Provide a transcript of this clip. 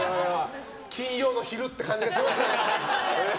金曜の昼って感じがしますね。